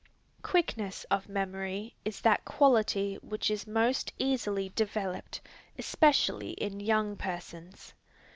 Quickness of memory is that quality which is most easily developed, especially in young persons.